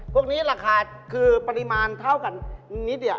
พวกนี้ราคาคือปริมาณเท่ากันนิดเดียว